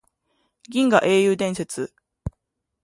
銀河英雄伝説